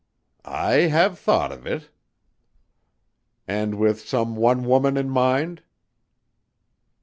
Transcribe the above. "I have thought of it." "And with some one woman in mind?"